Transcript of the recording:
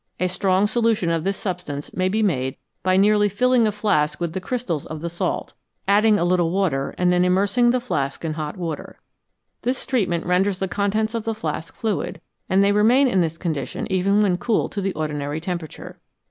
A strong solution of this substance may be made by nearly filling a flask with the crystals of the salt, adding a little 315 FROM SOLUTIONS TO CRYSTALS water, and then immersing the flask in hot water. This treatment renders the contents of the flask fluid, and they remain in this condition even when cooled to the ordinary temperature.